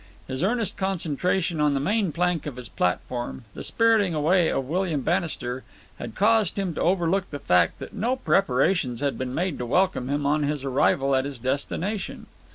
His earnest concentration on the main plank of his platform, the spiriting away of William Bannister, had caused him to overlook the fact that no preparations had been made to welcome him on his arrival at his destination.